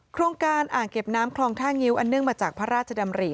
โครงการอ่างเก็บน้ำคลองท่างิ้วอันเนื่องมาจากพระราชดำริ